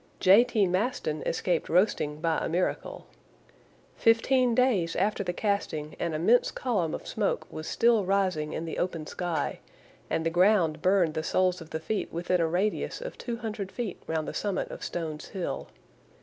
J. T. Maston escaped roasting by a miracle. Fifteen days after the casting an immense column of smoke was still rising in the open sky and the ground burned the soles of the feet within a radius of two hundred feet round the summit of Stones Hill.